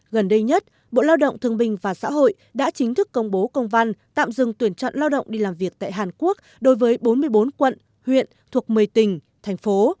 gần đây nhất bộ lao động thương bình và xã hội đã chính thức công bố công văn tạm dừng tuyển chọn lao động đi làm việc tại hàn quốc đối với bốn mươi bốn quận huyện thuộc một mươi tỉnh thành phố